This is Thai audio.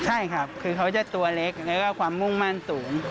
ใช่ครับคือเขาจะตัวเล็กแล้วก็ความมุ่งมั่นสูง